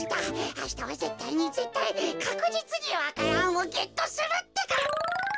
あしたはぜったいにぜったいかくじつにわからんをゲットするってか！